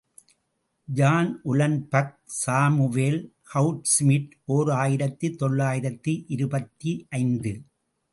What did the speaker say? John Uhlenbeck, Samuel Goudsmit, ஓர் ஆயிரத்து தொள்ளாயிரத்து இருபத்தைந்து.